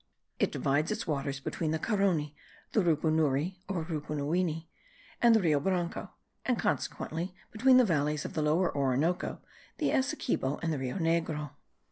It divides its waters between the Carony, the Rupunury or Rupunuwini, and the Rio Branco, and consequently between the valleys of the Lower Orinoco, the Essequibo, and the Rio Negro.